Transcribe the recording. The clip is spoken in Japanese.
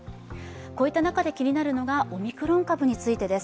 こういった中で気になるのがオミクロン株についてです。